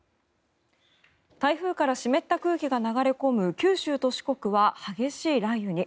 台風から湿った空気が流れ込む九州と四国は激しい雷雨に。